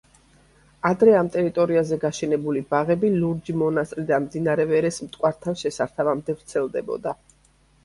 ადრე ამ ტერიტორიაზე გაშენებული ბაღები ლურჯი მონასტრიდან მდინარე ვერეს მტკვართან შესართავამდე ვრცელდებოდა.